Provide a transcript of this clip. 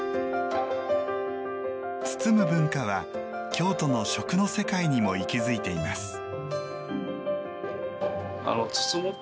包む文化は京都の食の世界にも息づいています。